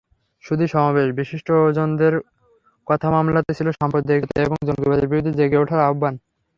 সুধী সমাবেশে বিশিষ্টজনদের কথামালাতে ছিল সাম্প্রদায়িকতা এবং জঙ্গিবাদের বিরুদ্ধে জেগে ওঠার আহ্বান।